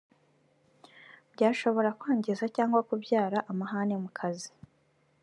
byashobora kwangiza cyangwa kubyara amahane mu kazi